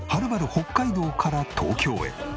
北海道から東京へ。